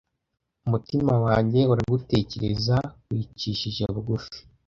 umutima wanjye uragutekereza wicishije bugufi